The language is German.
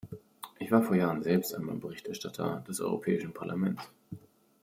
Ich war vor Jahren selbst einmal Berichterstatter des Europäischen Parlaments.